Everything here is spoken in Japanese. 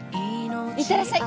行ってらっしゃい！